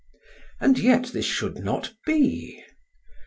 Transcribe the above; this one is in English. And yet this should not be.